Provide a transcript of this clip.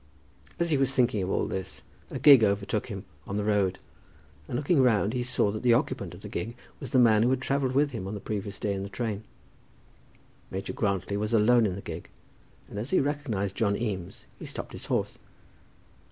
As he was thinking of all this, a gig overtook him on the road, and on looking round he saw that the occupant of the gig was the man who had travelled with him on the previous day in the train. Major Grantly was alone in the gig, and as he recognized John Eames he stopped his horse.